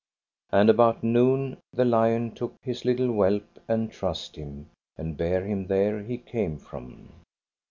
And about noon the lion took his little whelp and trussed him and bare him there he came from.